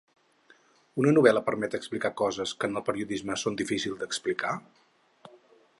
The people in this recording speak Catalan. Una novel·la permet d’explicar coses que en el periodisme són difícil d’explicar?